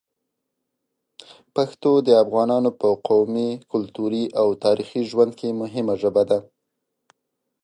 پښتو د افغانانو په قومي، کلتوري او تاریخي ژوند کې مهمه ژبه ده.